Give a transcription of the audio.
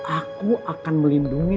aku akan melindungi